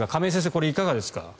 これ、いかがですか。